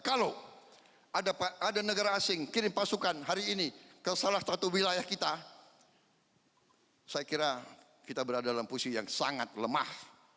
kalau ada negara asing kirim pasukan hari ini ke salah satu wilayah kita saya kira kita berada dalam posisi yang sangat lemah